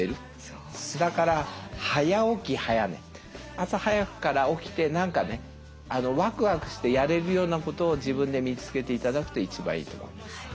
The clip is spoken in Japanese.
朝早くから起きて何かねワクワクしてやれるようなことを自分で見つけて頂くと一番いいと思います。